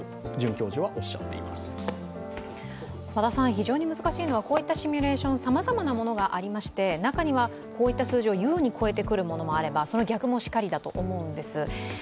非常に難しいのは、こういったシミュレーション、さまざまなものがありまして、中にはこういった数字を優に超えてくるものもあれば、その逆もしかりだと思うんです。